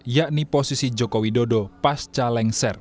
yakni posisi jokowi dodo pasca lengser